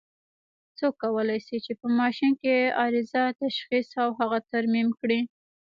څوک کولای شي چې په ماشین کې عارضه تشخیص او هغه ترمیم کړي؟